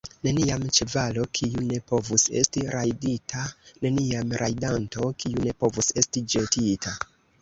Neniam ĉevalo, kiu ne povus esti rajdita; neniam rajdanto, kiu ne povus esti ĵetita.